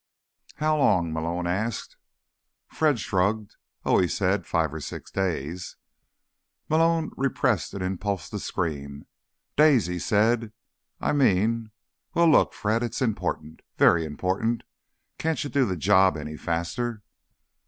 "How long?" Malone asked. Fred shrugged. "Oh," he said, "five or six days." Malone repressed an impulse to scream. "Days?" he said. "I mean—well, look, Fred, it's important. Very important. Can't you do the job any faster?"